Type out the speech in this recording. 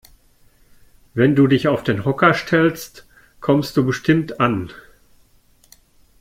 Wenn du dich auf den Hocker stellst, kommst du bestimmt an.